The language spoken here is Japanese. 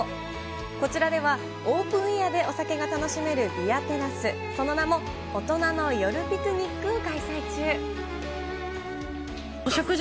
こちらでは、オープンエアで景色が楽しめるビアテラス、その名も、大人の夜ピクニックを開催中。